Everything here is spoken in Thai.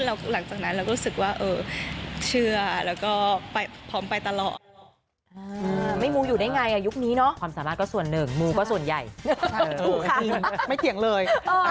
แล้วหลังจากนั้นเราก็รู้สึกว่าเออเชื่อแล้วก็พร้อมไปตลอด